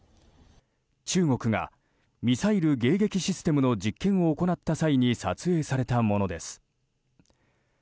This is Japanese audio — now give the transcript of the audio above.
中国が、ミサイル迎撃システムの実験を行った際に撮影されたものです。